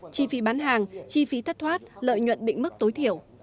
chi phí bán hàng chi phí thất thoát lợi nhuận định mức tối thiểu